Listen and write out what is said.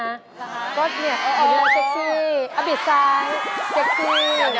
ละก็นี่ด้วยเสกซี่อ้าว๊อบีบซ้ายเสกซี่อีกเดี๋ยว